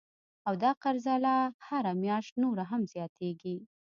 او دا قرضه لا هره میاشت نوره هم زیاتیږي